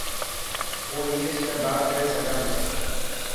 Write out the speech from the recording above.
هون انگلش ۾ بات ڪري سگھان ٿو.